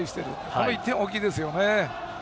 この１点は大きいですね。